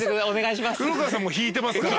お願いします。